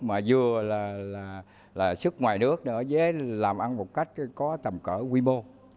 mà vừa là sức ngoài nước nữa làm ăn một cách có tầm cỡ quy mô